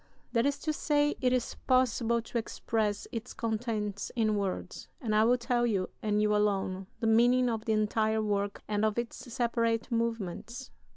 That is to say, it is possible to express its contents in words, and I will tell you, and you alone, the meaning of the entire work and of its separate movements.